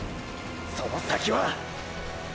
その先はァ！！